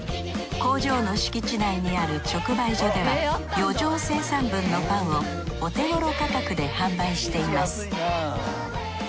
工場の敷地内にある直売所では余剰生産分のパンをお手頃価格で販売しています。